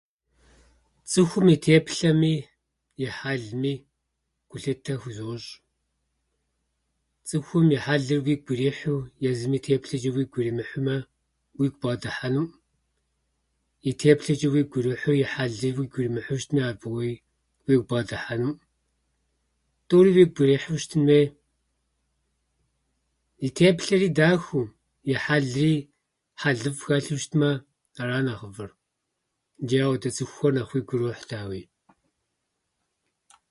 Цӏыхум и теплъэми и хьэлми гулъытэ хузощӏ. Цӏыхум и хьэлыр уигу ирихьу, езым и теплъэчӏэ уигу иримыхьмэ, уигу бгъэдыхьэнуӏым. И теплъэчӏэ уигу ирихьу, и хьэлыр уигу иримыхьу щытми, абыи уигу бгъэдыхьэнуӏым. Тӏури уигу ирихьыу щытын хуей. И теплъэри дахэу, и хьэлри хьэлыфӏ хэлъу щытмэ, ара нэхъыфӏыр. Иджы ауэдэ цӏыхухьэр нэхъ уигу ирохь, дауи.